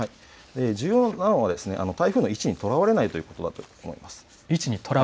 重要なのは台風の位置にとらわれないことだと思います。